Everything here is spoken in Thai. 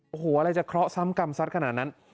โอ้โหอะไรจะเคราะห์ซ้ำกรรมซัดขนาดนั้น